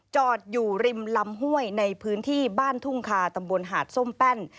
จอดอยู่ริมลำห้วยในพื้นที่บ้านทุ่งคาตำบลหาดส้มแป้น